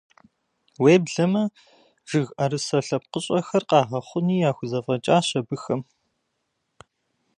Уеблэмэ, жыг ӏэрысэ лъэпкъыщӏэхэр къагъэхъуни яхузэфӏэкӏащ абыхэм.